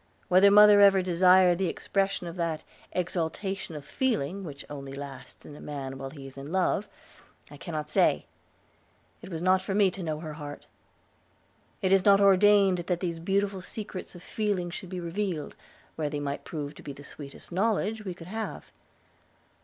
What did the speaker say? Whether mother ever desired the expression of that exaltation of feeling which only lasts in a man while he is in love, I cannot say. It was not for me to know her heart. It is not ordained that these beautiful secrets of feeling should be revealed, where they might prove to be the sweetest knowledge we could have.